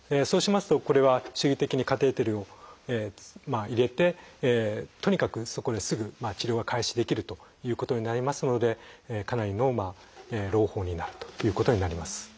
そうしますとこれは手技的にカテーテルを入れてとにかくそこですぐ治療が開始できるということになりますのでかなりの朗報になるということになります。